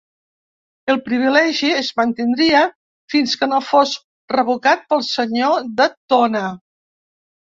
El privilegi es mantindria fins que no fos revocat pel senyor de Tona.